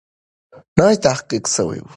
نوی تحقیق سوی وو.